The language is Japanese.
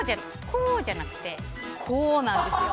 こうじゃなくてこうなんですよ。